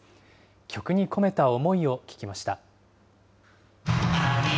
曲に込めた思いを聞きました。